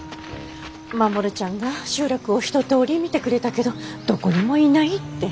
まもるちゃんが集落を一とおり見てくれたけどどこにもいないって。